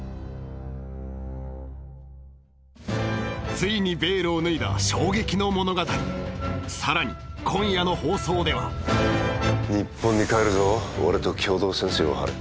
ついにベールを脱いだ衝撃の物語さらに今夜の放送では日本に帰るぞ俺と共同戦線を張れ